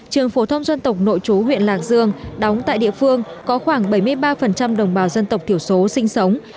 trường phổ thông dân tộc nội chú huyện lạc dương đóng tại địa phương có khoảng bảy mươi ba đồng bào dân tộc thiểu số sinh sống